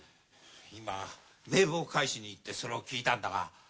今名簿を返しに行ってそれを聞いたんだが。